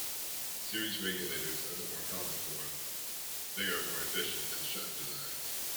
Series regulators are the more common form; they are more efficient than shunt designs.